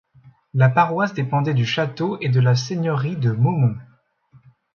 La paroisse dépendait du château et de la seigneurie de Maumont.